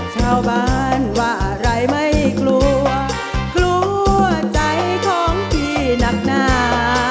ชาวบ้านว่าอะไรไม่กลัวกลัวใจของพี่หนักหนา